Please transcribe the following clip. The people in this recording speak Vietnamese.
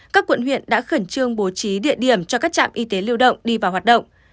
các quận huyện đã khẩn trương bố trí địa điểm cho các trạm y tế lưu động đi vào hoạt động